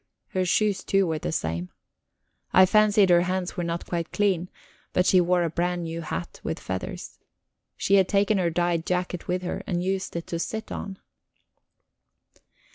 Her shoes, too, were the same. I fancied her hands were not quite clean; but she wore a brand new hat, with feathers. She had taken her dyed jacket with her, and used it to sit on.